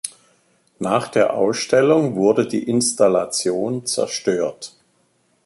Nach der Ausstellung wurde die Installation zerstört.